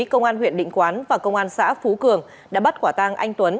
công an huyện định quán và công an xã phú cường đã bắt quả tang anh tuấn